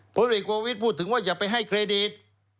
ผลเอกโกวิทย์พูดถึงว่าอย่าไปให้เครดิต